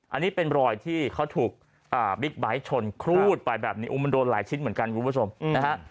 อันนี้เป็นรอยที่เขาถูกบิ๊กไบท์ชนครูดไปแบบนี้มันโดนหลายชิ้นเหมือนกันคุณผู้ชมนะฮะ